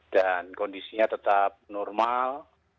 dan kondisinya tetap normal